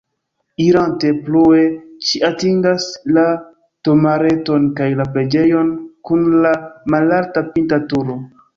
Irante plue ŝi atingas la domareton kaj la preĝejon kun la malalta pinta turo.